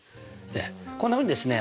こんなふうにですね